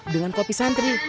dengan kopi santri